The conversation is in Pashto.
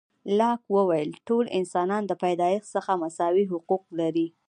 لاک وویل، ټول انسانان د پیدایښت څخه مساوي حقوق لري.